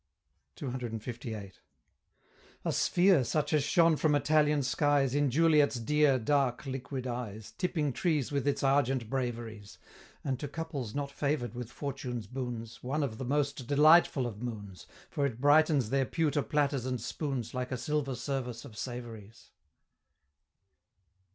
CCLVIII. A sphere such as shone from Italian skies, In Juliet's dear, dark, liquid eyes, Tipping trees with its argent braveries And to couples not favor'd with Fortune's boons One of the most delightful of moons, For it brightens their pewter platters and spoons Like a silver service of Savory's!